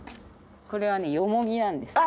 これはねヨモギなんです。